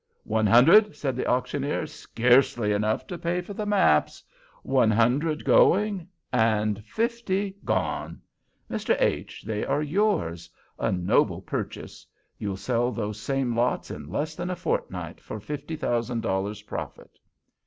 "One hundred!" said the auctioneer, "scarcely enough to pay for the maps. One hundred—going—and fifty—gone! Mr. H., they are yours. A noble purchase. You'll sell those same lots in less than a fortnight for fifty thousand dollars profit!"